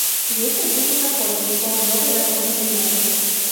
Вецер будзе заходні, паўднёва-заходні ўмераны.